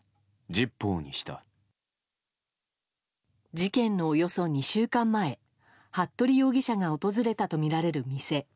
事件のおよそ２週間前服部容疑者が訪れたとみられる店。